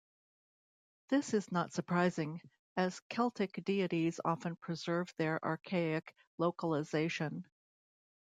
This is not surprising, as Celtic deities often preserved their archaic localisation.